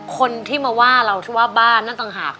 คนที่มาว่าเราที่ว่าบ้านนั่นต่างหาก